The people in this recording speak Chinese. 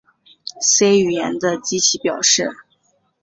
C 语言的机器表示